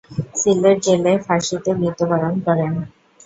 সিলেট জেলে ফাঁসিতে মৃত্যুবরণ করেন।